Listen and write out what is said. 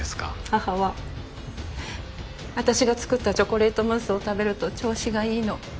母は私が作ったチョコレートムースを食べると調子がいいの。